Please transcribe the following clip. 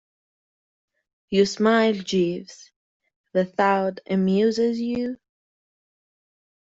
You smile, Jeeves. The thought amuses you?